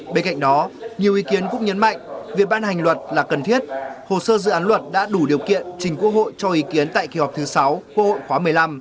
bên cạnh đó nhiều ý kiến cũng nhấn mạnh việc ban hành luật là cần thiết hồ sơ dự án luật đã đủ điều kiện trình quốc hội cho ý kiến tại kỳ họp thứ sáu quốc hội khóa một mươi năm